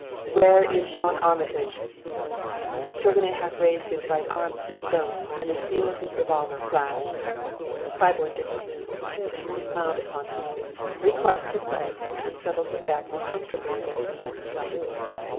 "Where is John Armitage?" Chauvenet half raised his right arm as he spoke and the steel of his revolver flashed. Claiborne did not move; he smiled upon them, recrossed his legs, and settled his back more comfortably against the mantel shelf.